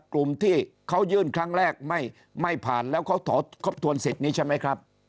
กลุ่มที่เขายื่นครั้งแรกไม่ผ่านแล้วเขาถอดทบทวนสิทธิ์นี้ใช่ไหมครับ